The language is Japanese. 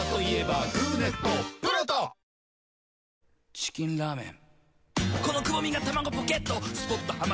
チキンラーメン。